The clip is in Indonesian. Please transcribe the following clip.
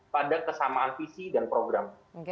pada kesamaan visi dan program